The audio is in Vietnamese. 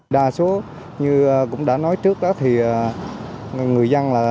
đa số như cũng đã nói trước thì người dân là